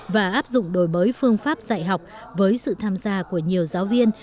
và áp dụng đổi mới phương pháp dạy học với sự tham gia của nhiều giáo viên